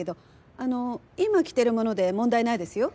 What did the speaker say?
あの今着てるもので問題ないですよ。